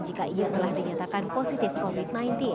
jika ia telah dinyatakan positif covid sembilan belas